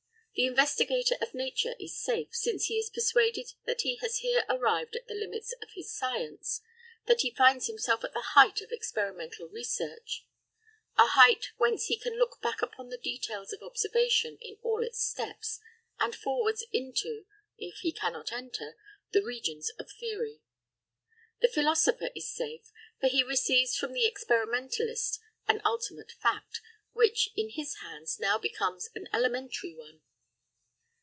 The investigator of nature is safe, since he is persuaded that he has here arrived at the limits of his science, that he finds himself at the height of experimental research; a height whence he can look back upon the details of observation in all its steps, and forwards into, if he cannot enter, the regions of theory. The philosopher is safe, for he receives from the experimentalist an ultimate fact, which, in his hands, now becomes an elementary one.